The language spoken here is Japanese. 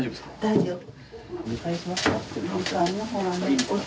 大丈夫。